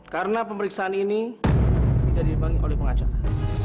karena pemeriksaan ini tidak diimbangi oleh pengacara